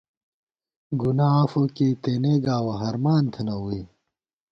گُنا عفو کېئی تېنے گاوَہ ہرمان تھنہ ووئی